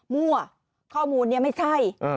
มั่วข้อมูลนี้ไม่ใช่